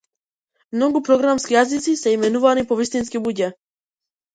Многу програмски јазици се именувани по вистински луѓе.